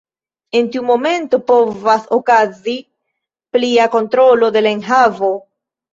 En tiu momento povas okazi plia kontrolo de la enhavo.